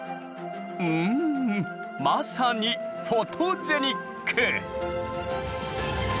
うんまさにフォトジェニック！